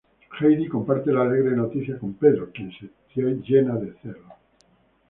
Heidi comparte la alegre noticia con Pedro, quien se llena de celos.